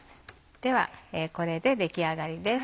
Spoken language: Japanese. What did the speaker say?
ではこれで出来上がりです。